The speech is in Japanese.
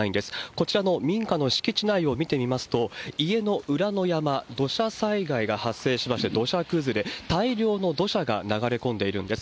こちらの民家の敷地内を見てみますと、家の裏の山、土砂災害が発生しまして、土砂崩れ、大量の土砂が流れ込んでいるんです。